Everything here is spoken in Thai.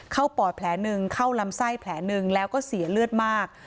ปอดแผลหนึ่งเข้าลำไส้แผลหนึ่งแล้วก็เสียเลือดมาก